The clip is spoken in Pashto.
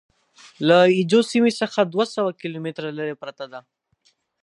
له اي جو سیمې څخه دوه سوه کیلومتره لرې پرته ده.